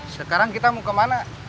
sekarang kita mau kemana